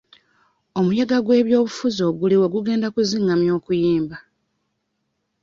Omuyaga gw'ebyobufuzi oguliwo gugenda kuzingamya okuyimba.